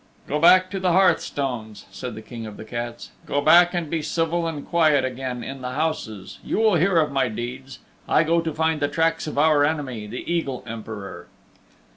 "Go back to the hearthstones," said the King of the Cats. "Go back and be civil and quiet again in the houses. You will hear of my deeds. I go to find the tracks of our enemy, the Eagle Emperor."